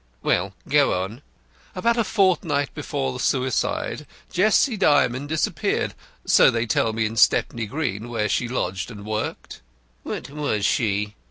Well, go on." "About a fortnight before the suicide, Jessie Dymond disappeared. So they tell me in Stepney Green, where she lodged and worked." "What was she?"